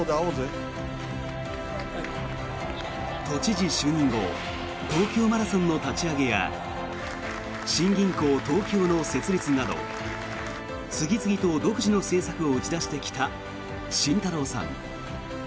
都知事就任後東京マラソンの立ち上げや新銀行東京の設立など次々と独自の政策を打ち出してきた慎太郎さん。